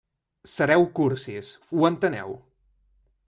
Sereu cursis, ho enteneu?